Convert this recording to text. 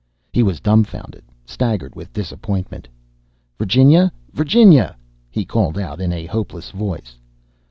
He was dumbfounded, staggered with disappointment. "Virginia! Virginia!" he called out, in a hopeless tone.